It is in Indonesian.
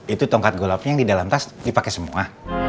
itu tongkat golopnya yang di dalam tas dipake semua